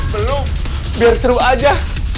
belum biar seru aja